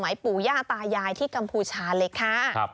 ปู่ย่าตายายที่กัมพูชาเลยค่ะ